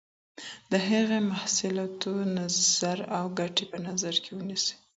د هغې مصلحتونه، نظر او ګټي په نظر کي ونيسي.